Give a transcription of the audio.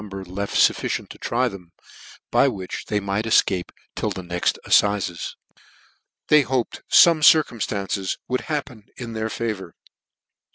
bcr left fufficient to try them,, by which they might efcape till the next afiizes, by which time they hoped fome circu:nftances would happen in their favour.